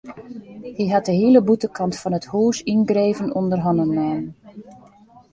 Hy hat de hiele bûtenkant fan it hûs yngreven ûnder hannen nommen.